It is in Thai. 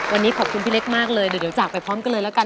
วันนี้ขอบคุณพี่เล็กมากเลยเดี๋ยวจากไปพร้อมกันเลยแล้วกัน